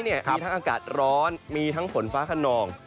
มีทั้งอากาศร้อนมีทั้งฝนฟ้าขนอง